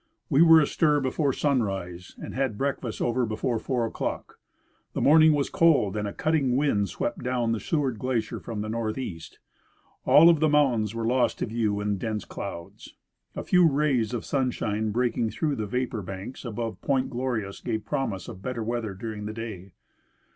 We were astir before sunrise, and had breakfast over before four o'clock. The morn ing was cold, and a cutting wind swept down the Seward glacier from the northeast. All of the mountains were lost to view in dense clouds. A few rays of sunshine breaking through the vapor banks above Point Glorious gave promise of better weather during the day.